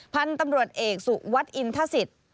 พันธุ์ตำรวจเอกสุวัสดิอินทศิษย์